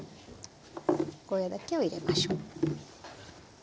ゴーヤーだけを入れましょう。